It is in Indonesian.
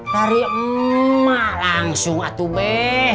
dari emak langsung atu be